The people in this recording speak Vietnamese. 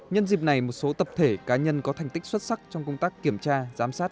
nhân dịp này một số tập thể cá nhân có thành tích xuất sắc trong công tác kiểm tra giám sát